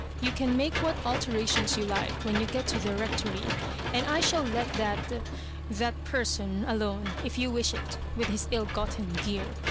You can make what alterations you like when you get to the Rectory; and I shall let that—that person alone, if you wish it, with his ill gotten gear.